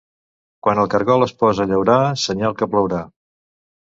Quan el caragol es posa a llaurar, senyal que plourà.